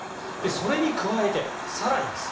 それに加えて、更にです